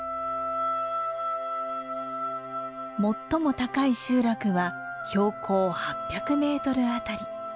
最も高い集落は標高８００メートル辺り。